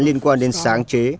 liên quan đến sáng chế